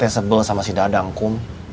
saya tesebel sama si dadang kum